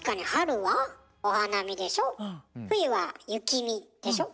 冬は「雪見」でしょ？